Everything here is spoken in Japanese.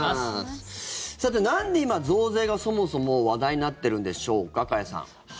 さて、なんで今増税がそもそも話題になってるんでしょうか加谷さん。